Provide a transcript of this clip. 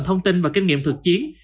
thông tin và kinh nghiệm thực chiến